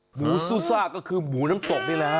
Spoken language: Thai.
หมูซูซ่าก็คือหมูน้ำตกนี่แหละ